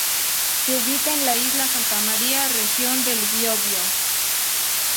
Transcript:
Se ubica en la Isla Santa María, Región del Biobío.